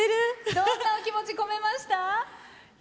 どんなお気持ち込めました？